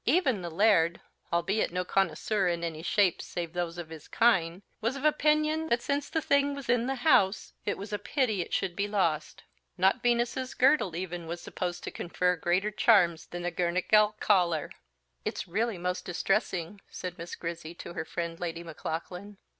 Even the Laird, albeit no connoisseur in any shapes save those of his kine, was of opinion that since the thing was in the house it was a pity it should be lost. Not Venus's girdle even was supposed to confer greater charms than the Girnachgowl collar. "It's really most distressing!" said Miss Grizzy to her friend Lady Maclaughlan.